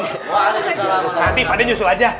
nanti pak ade nyusul aja